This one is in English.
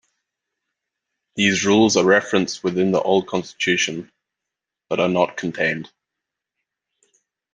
These rules are referenced within this old constitution, but are not contained.